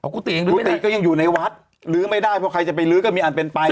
กุฏิยังลื้อกุฏิก็ยังอยู่ในวัดลื้อไม่ได้เพราะใครจะไปลื้อก็มีอันเป็นไป